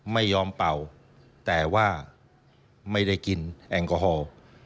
ไม่ยอมเป่าแต่ว่าไม่ได้กินแอลกอฮอล์